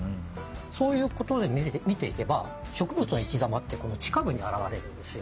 そういうことで見ていけば植物の生き様って地下部に現れるんですよ。